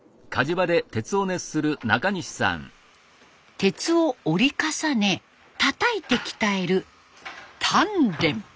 鉄を折り重ねたたいて鍛える「鍛錬」。